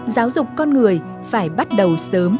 giáo dục con người phải bắt đầu sớm